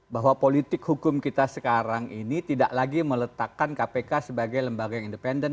bahwa politik hukum kita sekarang ini tidak lagi meletakkan kpk sebagai lembaga yang independen